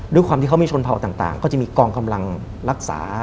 ด้วยความที่เขามีชนเผ่าต่างก็จะมีกองกำลังรักษา